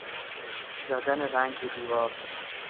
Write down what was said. زدن رنگ به دیوار